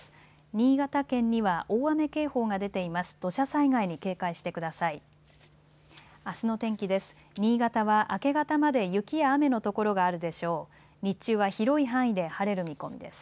新潟県には大雨警報が出ています。